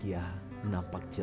gimana mbak putri